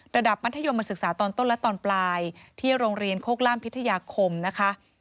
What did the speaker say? มัธยมศึกษาตอนต้นและตอนปลายที่โรงเรียนโคกล่ามพิทยาคมนะคะ